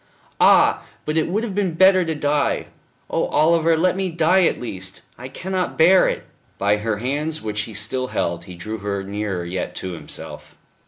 "Ah! but it would have been better to die.... Oh, Oliver, let me die at least! I cannot bear it." By her hands which he still held he drew her nearer yet to himself.